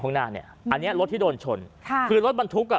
ห้องหน้านี่อันนี้รถที่โดนชนคือรถบรรทุกอ่ะ